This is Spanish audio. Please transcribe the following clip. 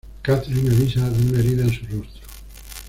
Catherine avisa de una herida en su rostro.